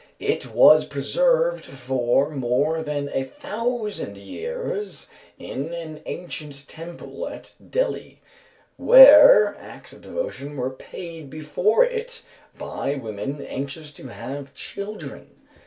It was preserved for more than a thousand years in an ancient temple at Delhi, where acts of devotion were paid before it by women anxious to have children.